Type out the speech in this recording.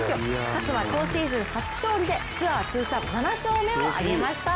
勝は今シーズン初勝利でツアー通算７勝目を挙げました。